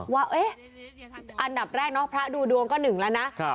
ว่าอันดับแรกเนาะพระดูดวงก็หนึ่งแล้วนะ